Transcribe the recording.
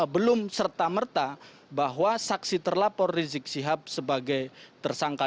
belum serta merta bahwa saksi terlapor rizik sihab sebagai tersangka